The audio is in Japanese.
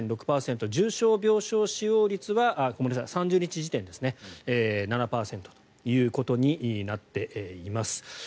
重症病床使用率は３０日時点で７％ということになっています。